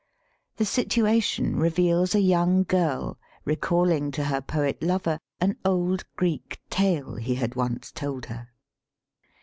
The situ ation reveals a young girl recalling to her poet lover an old Greek tale he had once told her.